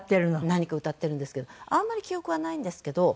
何か歌ってるんですけどあんまり記憶はないんですけど。